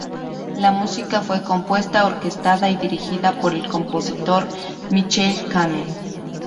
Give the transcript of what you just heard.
La música fue compuesta, orquestada y dirigida por el compositor Michael Kamen.